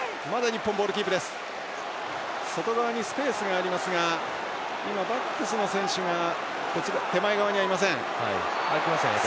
外側にスペースがありますがバックスの選手が手前側にはいません。